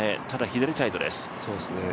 ただ、左サイドです。